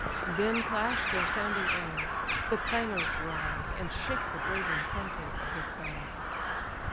Then clash their sounding arms; the clangours rise, And shake the brazen concave of the skies.